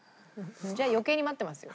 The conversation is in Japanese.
じゃあ余計に待ってますよ。